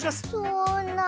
そんな。